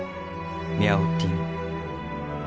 ミャオティン。